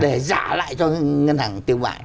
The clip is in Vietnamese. để giả lại cho ngân hàng tiêu bại